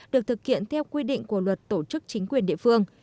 được thực hiện theo quy định của luật tổ chức chính quyền địa phương